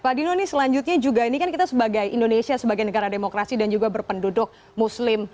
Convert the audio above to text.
pak dino ini selanjutnya juga ini kan kita sebagai indonesia sebagai negara demokrasi dan juga berpenduduk muslim